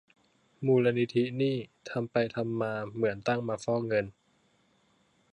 มูลนิธินี่ ทำไปทำมา เหมือนตั้งมาฟอกเงิน !